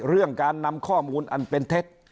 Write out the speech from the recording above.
เรื่องการนำข้อมูลอันเป็นเท็จ